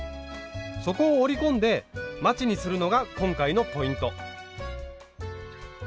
底を折り込んでまちにするのが今回のポイント。